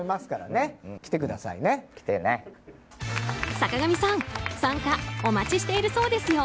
坂上さん、参加お待ちしているそうですよ。